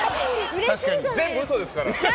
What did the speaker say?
全部嘘ですから。